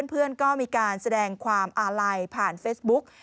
เพื่อนก็มีการแสดงความอาลัยผ่านเฟซบุ๊ก